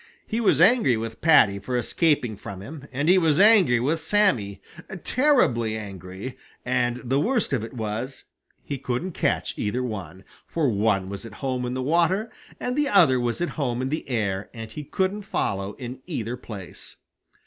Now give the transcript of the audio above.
He was angry with Paddy for escaping from him, and he was angry with Sammy, terribly angry, and the worst of it was he couldn't catch either one, for one was at home in the water and the other was at home in the air and he couldn't follow in either place.